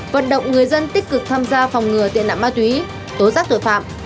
hoạt động người dân tích cực tham gia phòng ngừa tiện nạp ma túy tố giác tội phạm